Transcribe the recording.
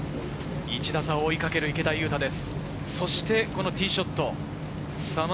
１打差を追いかける池田勇太です。